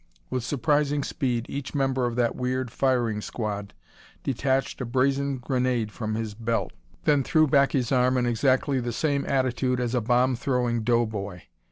With surprising speed each member of that weird firing squad detached a brazen grenade from his belt, then threw back his arm in exactly the same attitude as a bomb throwing doughboy.